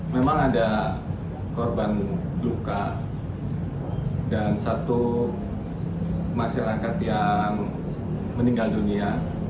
memang ada korban luka dan satu masyarakat yang meninggal dunia